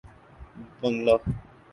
بنگلہ